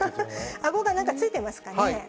あごがなんかついてますかね。